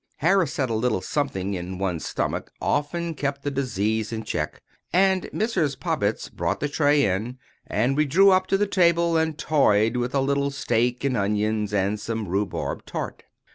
Harris said a little something in one's stomach often kept the disease in check; and Mrs. Poppets brought the tray in, and we drew up to the table, and toyed with a little steak and onions, and some rhubarb tart.